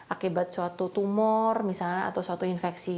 akibat suatu tumor misalnya atau suatu infeksi